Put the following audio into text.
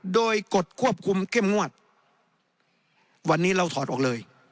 โดยกฎควบคุมเข้มงวดวันนี้เราถอดออกเลย